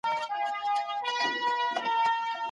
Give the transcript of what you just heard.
موږ خو څه نه سوای ويلای .